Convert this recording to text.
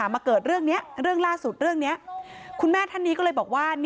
มาเกิดเรื่องนี้เรื่องล่าสุดเรื่องนี้คุณแม่ท่านนี้ก็เลยบอกว่า